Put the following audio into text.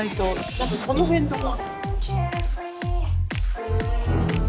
何かこの辺とか。